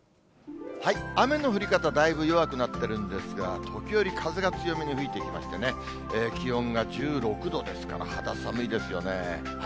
雨の降り方、だいぶ弱くなってるんですが、時折、風が強めに吹いてきましてね、気温が１６度ですから、肌寒いですよね。